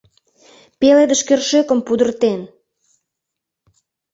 Пеледыш кӧршӧкым пудыртен!